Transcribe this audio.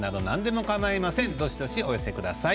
どしどしお寄せください。